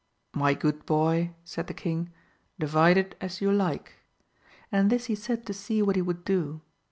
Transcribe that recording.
My good boy, said the king, divide it as you like, and this he said to see what he would do.